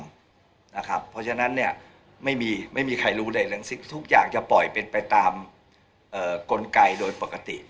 เพราะฉะนั้นไม่มีใครรู้ใดทั้งสิ้นทุกอย่างจะปล่อยเป็นไปตามกลไกโดยปกติ